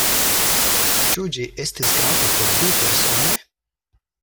Ĉu ĝi estis grava por vi persone?